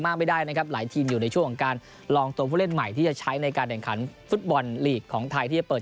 ไม่ได้นะครับหลายทีมอยู่ในช่วงของการลองตัวผู้เล่นใหม่ที่จะใช้ในการแข่งขันฟุตบอลลีกของไทยที่จะเปิด